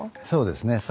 そうですね。